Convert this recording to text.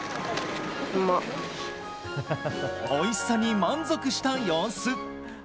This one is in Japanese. おいしさに満足した様子。